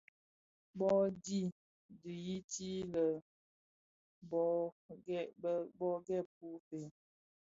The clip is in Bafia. Bō dhi di yiti lè bō ghèbku fe?